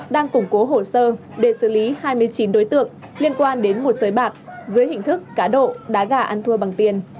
đang củng cố hồ sơ để xử lý hai mươi chín đối tượng liên quan đến một sới bạc dưới hình thức cá độ đá gà ăn thua bằng tiền